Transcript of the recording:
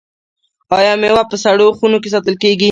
آیا میوه په سړو خونو کې ساتل کیږي؟